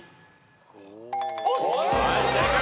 はい正解。